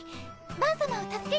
バン様を助けに。